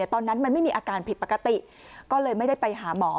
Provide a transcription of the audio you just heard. ตอนนั้นมันไม่มีอาการผิดปกติก็เลยไม่ได้ไปหาหมอ